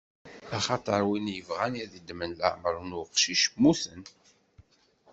Axaṭer wid yebɣan ad ddmen leɛmeṛ n uqcic, mmuten.